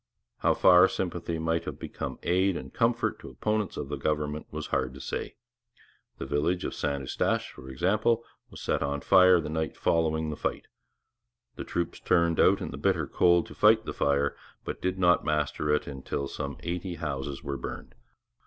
How far sympathy might have become aid and comfort to opponents of the government was hard to say. The village of St Eustache, for example, was set on fire the night following the fight; the troops turned out in the bitter cold to fight the fire, but did not master it until some eighty houses were burned.